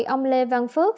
ông lê văn phước